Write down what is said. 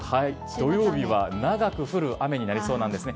土曜日は長く降る雨になりそうなんですね。